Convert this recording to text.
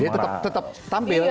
jadi tetap tampil